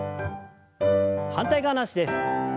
反対側の脚です。